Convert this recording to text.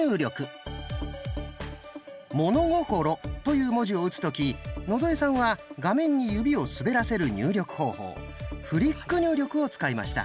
「物心」という文字を打つ時野添さんは画面に指を滑らせる入力方法「フリック入力」を使いました。